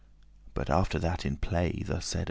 But after that *in play* thus saide she.